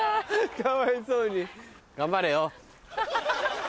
かわいそうに頑張れよ。